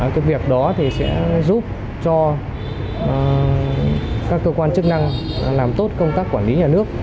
cái việc đó thì sẽ giúp cho các cơ quan chức năng làm tốt công tác quản lý nhà nước